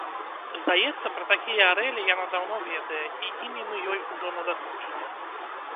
Здаецца, пра такія арэлі яна даўно ведае, і імі мы ёй ужо надакучылі.